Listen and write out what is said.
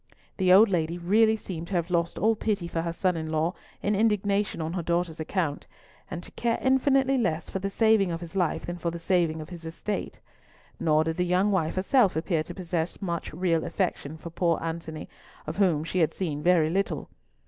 The old lady really seemed to have lost all pity for her son in law in indignation on her daughter's account, and to care infinitely less for the saving of his life than for the saving of his estate. Nor did the young wife herself appear to possess much real affection for poor Antony, of whom she had seen very little.